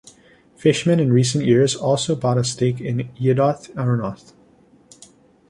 Fishman in recent years also bought a stake in "Yedioth Ahronoth".